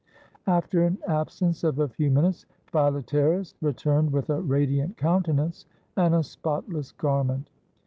After an absence of a few minutes, Philetasrus returned with a radiant countenance and a spotless garment.